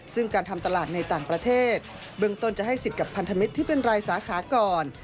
ซึ่งการทำตลาดในต่างประเทศเบื้องต้นจะให้สิทธิ์กับพันธมิตรที่เป็นรายสาขาก่อน